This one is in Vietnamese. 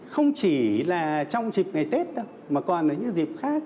không chỉ là trong dịp ngày tết đâu mà còn là những dịp khác